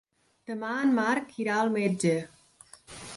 Demà en Marc irà al metge.